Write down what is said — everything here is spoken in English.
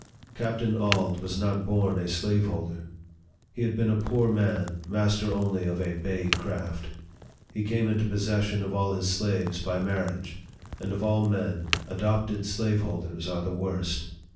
Captain Auld was not born a slave holder. He had been a poor man, master only of a Bay craft. He came into possession of all his slaves by marriage ; and of all men, adopted slaveholders are the worst.